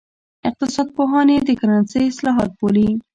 اقتصاد پوهان یې د کرنسۍ اصلاحات بولي.